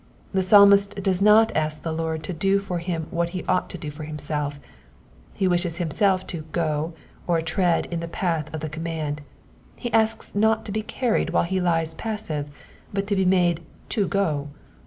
The Psalmist does not ask the Lord to do for him what he ought to do for himself : he wishes himself to go'* or tread in the path of the com mand. He asks not to be carried whue he lies passive ; but to be made to go.''